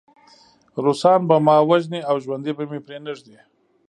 روسان به ما وژني او ژوندی به مې پرېنږدي